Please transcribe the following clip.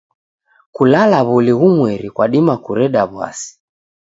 Kulala w'uli ghumweri kwadima kureda w'asi.